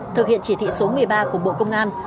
thực hiện chỉ thị số một mươi ba của bộ công an